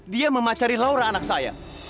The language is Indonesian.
dia memacari laura anak saya